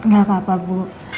gak apa apa bu